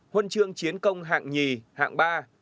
huân trường chiến công hạng hai hạng ba